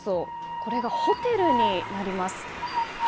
これがホテルになります。